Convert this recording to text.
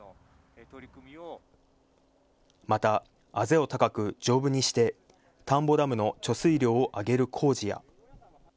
また、あぜを高く丈夫にして田んぼダムの貯水量を上げる工事や。